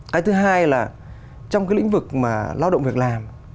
cái thứ hai là trong cái lĩnh vực mà lao động việc làm